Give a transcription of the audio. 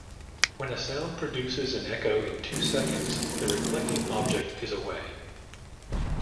When a sound produces an echo in two seconds, the reflecting object is away.